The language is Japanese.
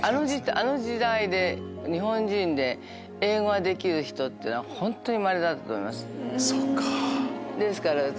あの時代で日本人で英語ができる人っていうのは本当にまれだったと思います。